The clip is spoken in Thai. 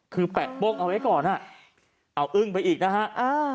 คือแปะโป้งเอาไว้ก่อนอ่ะเอาอึ้งไปอีกนะฮะ